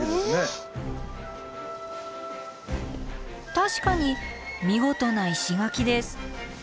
確かに見事な石垣です。